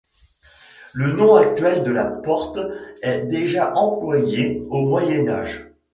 Le nom actuel de la porte est déjà employé au Moyen Âge.